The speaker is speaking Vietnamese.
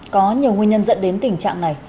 có nhiều nguyên nhân dẫn đến tình trạng này